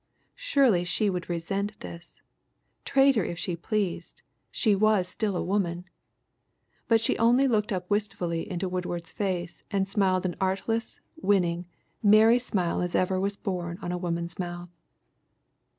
Surely she would resent this. Traitor if she pleased, she was still a woman. But she only looked up wistfully into Woodford's face and smiled as artless, winning, merry a smile as ever was born on a woman's mouth.